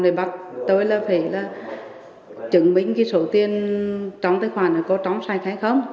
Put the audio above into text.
bọn tội phạm bắt tôi là phải là chứng minh cái số tiền trong tài khoản có trống sạch hay không